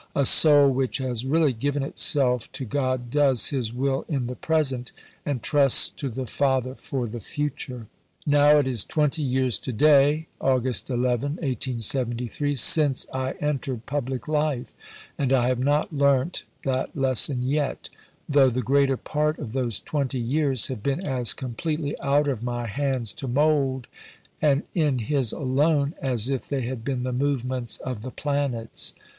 A soul which has really given itself to God does His will in the present, and trusts to the Father for the future. Now it is twenty years to day [Aug. 11, 1873] since I entered 'public life' and I have not learnt that lesson yet though the greater part of those twenty years have been as completely out of my hands to mould, and in His alone, as if they had been the movements of the planets."